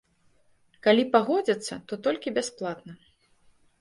Калі пагодзяцца, то толькі бясплатна.